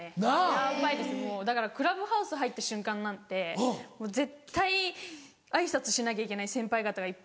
ヤバいですもうだからクラブハウス入った瞬間なんて絶対挨拶しなきゃいけない先輩方がいっぱいいるので。